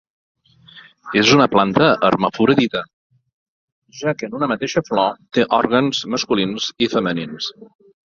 És una planta hermafrodita, ja que en una mateixa flor té òrgans masculins i femenins.